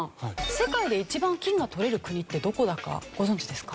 世界で一番金がとれる国ってどこだかご存じですか？